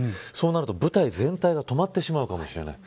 そうなると舞台全体が止まってしまうかもしれない。